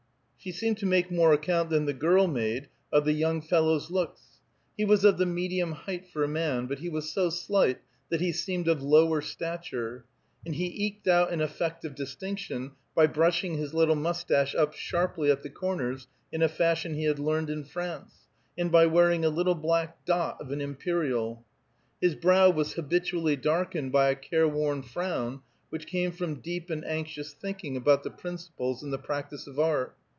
She seemed to make more account than the girl made of the young fellow's looks. He was of the medium height for a man, but he was so slight that he seemed of lower stature, and he eked out an effect of distinction by brushing his little moustache up sharply at the corners in a fashion he had learned in France, and by wearing a little black dot of an imperial. His brow was habitually darkened by a careworn frown, which came from deep and anxious thinking about the principles and the practice of art.